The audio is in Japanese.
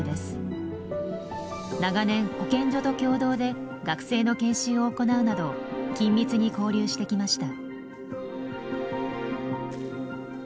長年保健所と共同で学生の研修を行うなど緊密に交流してきました。